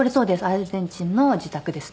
アルゼンチンの自宅ですね。